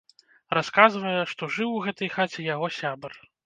Расказвае, што жыў у гэтай хаце яго сябар.